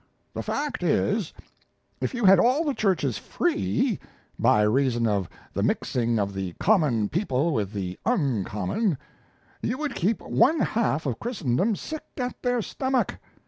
The fact is, if you had all the churches free, by reason of the mixing of the common people with the uncommon, you would keep one half of Christendom sick at their stomach.